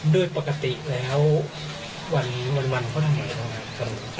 ด้วยปกติแล้ววันเขาทำอะไรต่างหาก